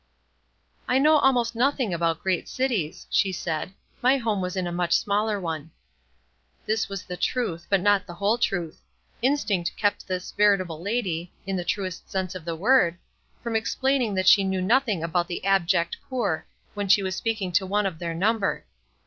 "I know almost nothing about great cities," she said; "my home was in a much smaller one." This was the truth, but not the whole truth. Instinct kept this veritable lady, in the truest sense of the word, from explaining that she knew nothing about the abject poor, when she was speaking to one of their number.